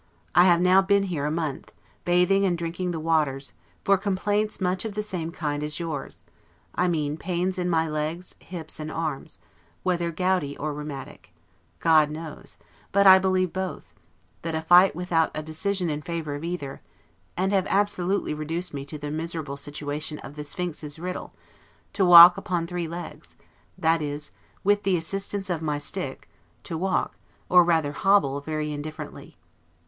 I have now been here a month, bathing and drinking the waters, for complaints much of the same kind as yours, I mean pains in my legs, hips, and arms: whether gouty or rheumatic, God knows; but, I believe, both, that fight without a decision in favor of either, and have absolutely reduced me to the miserable situation of the Sphinx's riddle, to walk upon three legs; that is, with the assistance of my stick, to walk, or rather hobble, very indifferently.